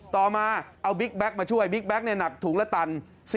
ต่อมาเอาบิ๊กแก๊กมาช่วยบิ๊กแก๊กหนักถุงละตัน